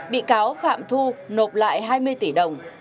bị cáo phạm thu nộp lại hai mươi tỷ đồng